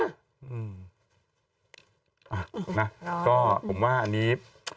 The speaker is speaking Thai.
อ่ะนะก็ผมว่าอันนี้